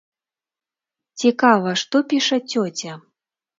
Цікава, што піша цёця.